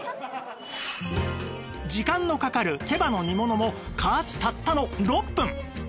時間のかかる手羽の煮物も加圧たったの６分